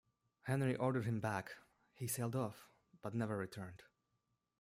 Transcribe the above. Henry ordered him back: he sailed off but never returned.